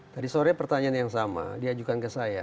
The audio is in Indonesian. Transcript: tadi sore pertanyaan yang sama diajukan ke saya